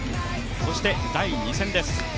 そして第２戦です。